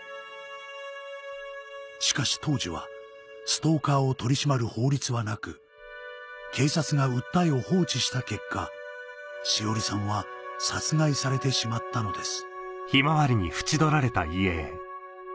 しかし当時はストーカーを取り締まる法律はなく警察が訴えを放置した結果詩織さんは殺害されてしまったのです